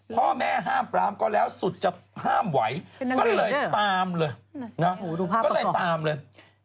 พ่อแม่ห้ามปรามก็แล้วสุดจะห้ามไหวก็เลยตามเลย